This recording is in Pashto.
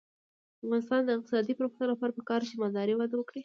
د افغانستان د اقتصادي پرمختګ لپاره پکار ده چې مالداري وده وکړي.